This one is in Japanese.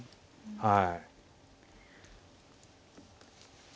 はい。